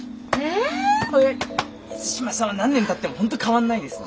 水島さんは何年たっても本当変わんないですね。